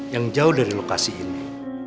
yang jauh dari lokasi ini